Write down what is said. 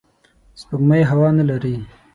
سپوږمۍ هوا نه لري